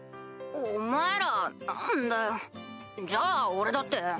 お前ら何だよじゃあ俺だって。